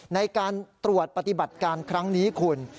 ในการตรวจปฏิบัติการครั้งนี้คุณ